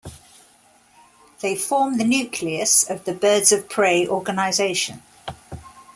They form the nucleus of the Birds of Prey organization.